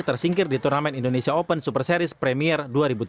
tersingkir di turnamen indonesia open super series premier dua ribu tujuh belas